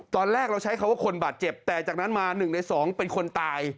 ตอนแรกเราใช้คำว่าคนบาดเจ็บแต่จากนั้นมา๑ใน๒เป็นคนตาย